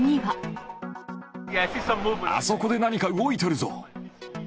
あそこで何か動いてるぞ！